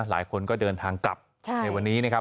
หลายคนก็เดินทางกลับในวันนี้นะครับ